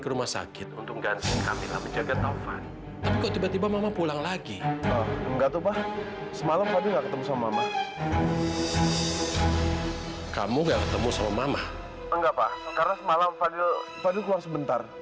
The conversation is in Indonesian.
karena semalam fadil keluar sebentar